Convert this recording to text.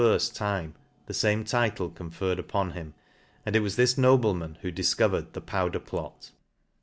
's time, the fame title conferred upon him ; and it was this nobleman who discovered the powder plot.